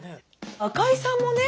赤井さんもね